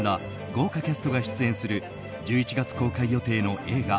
豪華キャストが出演する１１月公開予定の映画